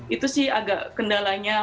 itu sih agak kendalanya